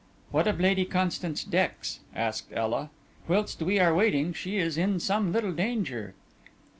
"What of Lady Constance Dex?" asked Ela. "Whilst we are waiting, she is in some little danger."